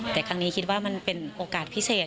แต่ครั้งนี้คิดว่ามันเป็นโอกาสพิเศษ